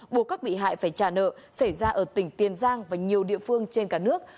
buộc các bị hại phải trả nợ xảy ra ở tỉnh tiền giang và nhiều địa phương trên cả nước